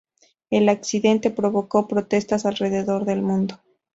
El accidente provocó protestas alrededor del mundo.